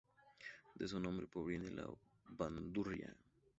De su nombre proviene la bandurria.